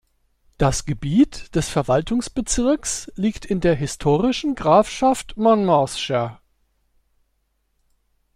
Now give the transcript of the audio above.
Das Gebiet des Verwaltungsbezirks liegt in der historischen Grafschaft Monmouthshire.